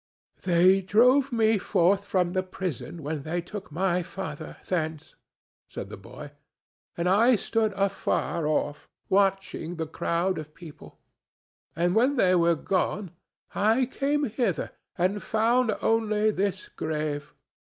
"They drove me forth from the prison when they took my father thence," said the boy, "and I stood afar off watching the crowd of people; and when they were gone, I came hither, and found only this grave.